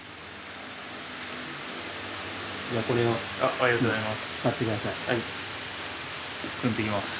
ありがとうございます。